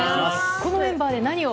このメンバーで何を？